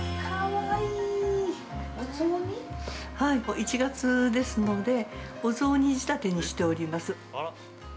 １月ですのでお雑煮仕立てにしております。